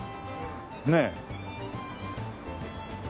ねえ。